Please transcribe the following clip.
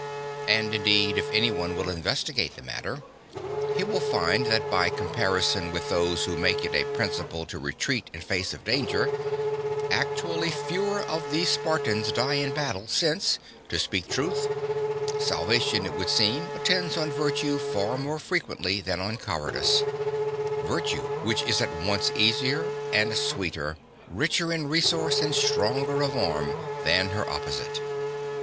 And indeed if any one will investigate the matter, he will find that by comparison with those who make it a principle to retreat in face of danger, actually fewer of these Spartans die in battle, since, to speak truth, salvation, it would seem, attends on virtue far more frequently than on cowardice virtue, which is at once easier and sweeter, richer in resource and stronger of arm, (1) than her opposite.